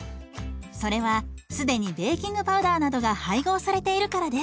それは既にベーキングパウダーなどが配合されているからです。